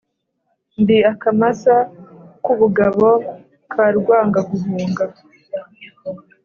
ndi akamasa k’ubugabo ka Rwangaguhunga